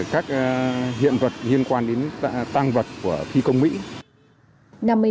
các hiện vật liên quan đến tăng vật của phi công mỹ